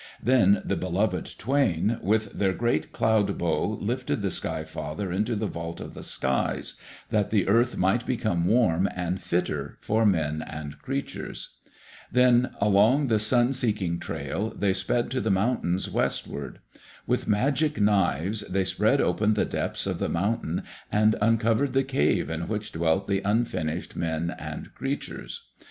Then the Beloved Twain, with their great cloud bow lifted the Sky father into the vault of the skies, that the earth might become warm and fitter for men and creatures. Then along the sun seeking trail, they sped to the mountains westward. With magic knives they spread open the depths of the mountain and uncovered the cave in which dwelt the unfinished men and creatures.